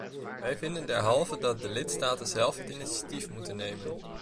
Wij vinden derhalve dat de lidstaten zelf het initiatief moeten nemen.